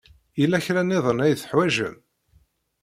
Yella kra niḍen ay teḥwajem?